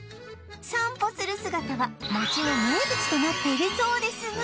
散歩する姿は街の名物となっているそうですが